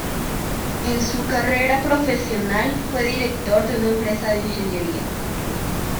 En su carrera profesional fue director de una empresa de ingeniería.